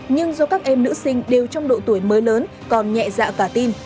nhưng do các em nữ sinh đều trong độ tuổi mới lớn còn nhẹ dạ cả tin